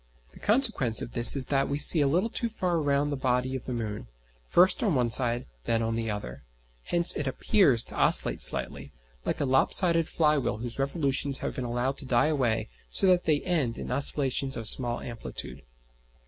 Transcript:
The consequence of this is that we see a little too far round the body of the moon, first on one side, then on the other. Hence it appears to oscillate slightly, like a lop sided fly wheel whose revolutions have been allowed to die away so that they end in oscillations of small amplitude.